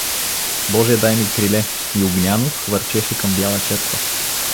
Боже, дай ми криле… И Огнянов хвърчеше към Бяла черква.